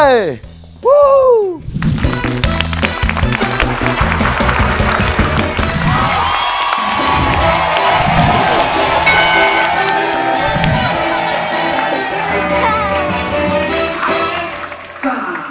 สู้ไหมครับสู้ค่ะสู้ไหมครับสู้ค่ะถ้าสู้ลุยเลยไป